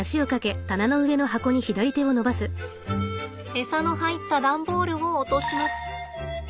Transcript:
エサの入った段ボールを落とします。